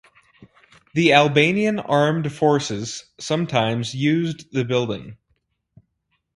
The Albanian Armed Forces sometimes used the building.